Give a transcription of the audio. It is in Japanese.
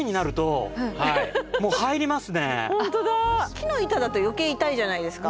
木の板だと余計痛いじゃないですか。